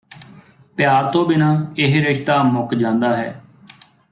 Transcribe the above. ਪਿਆਰ ਤੋਂ ਬਿਨਾ ਇਹ ਰਿਸ਼ਤਾ ਮੁੱਕ ਜਾਂਦਾ ਹੈ